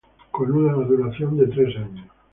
Con una duración de tres años.